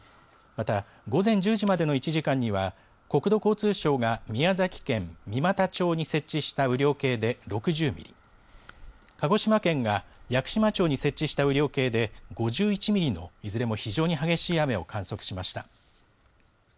また、午前１０時までの１時間には、国土交通省が宮崎県三股町に設置した雨量計で６０ミリ、鹿児島県が屋久島町に設置した雨量計で５１ミリのいずれも非常に激しい雨を観測しました。